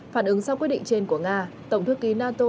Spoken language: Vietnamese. phản ứng sau quyết định trên của nga tổng thư ký nato